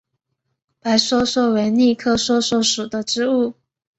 白梭梭为苋科梭梭属的植物。